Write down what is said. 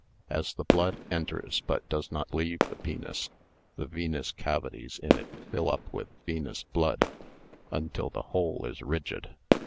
As the blood enters but does not leave the penis, the venous cavities in it fill up with venous blood until the whole is rigid.